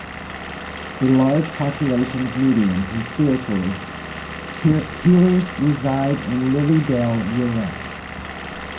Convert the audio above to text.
A large population of mediums and Spiritualist healers reside in Lily Dale year round.